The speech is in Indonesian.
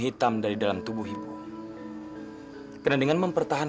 aku mau berusaha